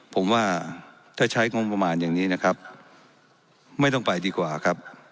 ผมว่าถ้าใช้งบประมาณอย่างนี้นะครับไม่ต้องไปดีกว่าครับ